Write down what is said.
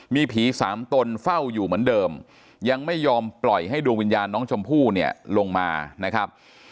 มีผีสามตนเฝ้าอยู่เหมือนเดิมยังไม่ยอมปล่อยให้ดวงวิญญาณน้องชมพู่เนี่ยลงมานะครับ